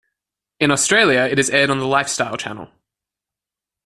In Australia, it is aired on The Lifestyle Channel.